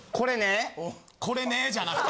「これね」じゃなくて。